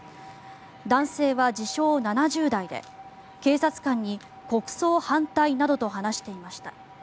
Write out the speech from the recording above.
男性は自称・７０代で警察官に国葬反対などと話していました。